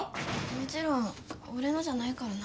もちろん俺のじゃないからな。